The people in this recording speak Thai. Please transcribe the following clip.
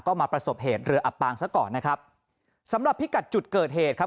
ก็มาประสบเหตุเรืออับปางซะก่อนนะครับสำหรับพิกัดจุดเกิดเหตุครับ